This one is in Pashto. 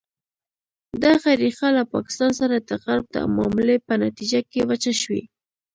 دغه ریښه له پاکستان سره د غرب د معاملې په نتیجه کې وچه شوې.